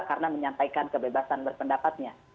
karena menyampaikan kebebasan berpendapatnya